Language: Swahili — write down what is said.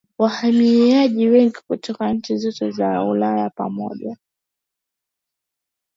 wahamiaji wengi kutoka nchi zote za Ulaya pamoja